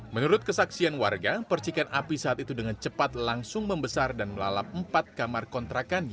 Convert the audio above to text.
menurut kesaksian warga percikan api saat itu dengan cepat langsung membesar dan melalap empat kamar kontrakan